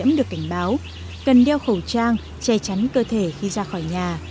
để không được cảnh báo cần đeo khẩu trang che chắn cơ thể khi ra khỏi nhà